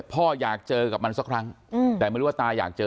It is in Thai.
พ่ออยากเจอกับมันสักครั้งแต่ไม่รู้ว่าตาอยากเจอ